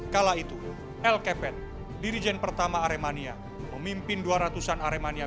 kala itu el kepet dirijen pertama aremania memimpin dua ratusan aremania